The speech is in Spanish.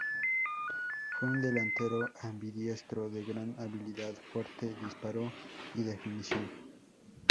Fue un delantero ambidiestro de gran habilidad, fuerte disparo y definición.